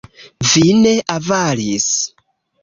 Vi ne avaris!